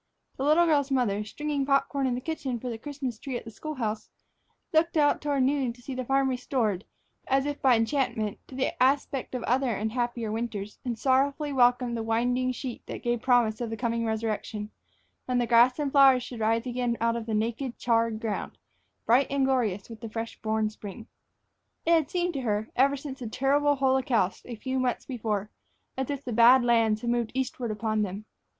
The little girl's mother, stringing pop corn in the kitchen for the Christmas tree at the school house, looked out toward noon to see the farm restored, as if by enchantment, to the aspect of other and happier winters; and sorrowfully welcomed the winding sheet that gave promise of the coming resurrection, when the grass and flowers should rise again from out the naked, charred ground, bright and glorious with the fresh born spring. It had seemed to her, ever since the terrible holocaust of a few months before, as if the Bad Lands had moved eastward upon them.